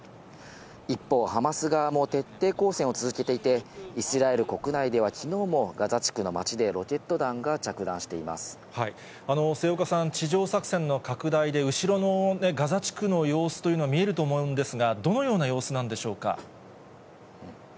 一方、ハマス側も徹底抗戦を続けていて、イスラエル国内ではきのうもガザ地区の町でロケット弾が着弾して末岡さん、地上作戦の拡大で後ろのガザ地区の様子というのは、見えると思うんですが、どのような様子なんでしょうか。